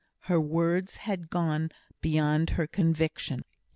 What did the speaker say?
Her words had gone beyond her conviction.